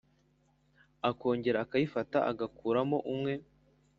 akongera akayifata agakuramo umwe